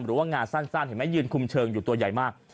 หรือง่างาสั้นไม่ยืนคุ้มเชิงอยู่ตัวใหญ่มาก